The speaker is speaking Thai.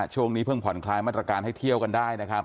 ช่วงนี้เพิ่งผ่อนคลายมาตรการให้เที่ยวกันได้นะครับ